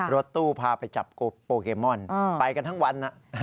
รถตู้พาไปจับโปเกมอนไปกันทั้งวัน